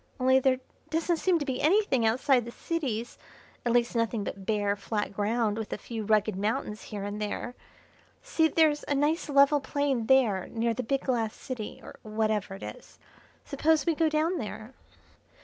Only there doesn't seem to be anything outside the cities, at least nothing but bare, flat ground with a few rugged mountains here and there. See, there's a nice level plain there near the big glass city, or whatever it is. Suppose we go down there."